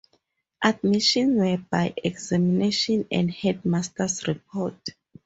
Admissions were by examination and headmasters' reports.